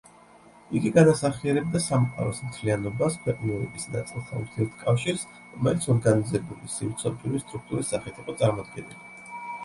იგი განასახიერებდა სამყაროს მთლიანობას, ქვეყნიერების ნაწილთა ურთიერთკავშირს, რომელიც ორგანიზებული, სივრცობრივი სტრუქტურის სახით იყო წარმოდგენილი.